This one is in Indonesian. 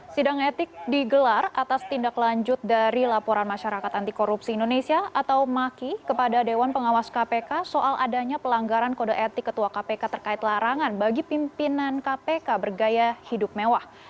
sidang etik digelar atas tindak lanjut dari laporan masyarakat anti korupsi indonesia atau maki kepada dewan pengawas kpk soal adanya pelanggaran kode etik ketua kpk terkait larangan bagi pimpinan kpk bergaya hidup mewah